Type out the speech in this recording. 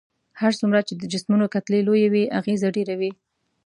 هر څومره چې د جسمونو کتلې لويې وي اغیزه ډیره وي.